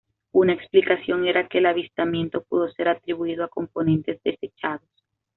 Una explicación era que el avistamiento pudo ser atribuido a componentes desechados.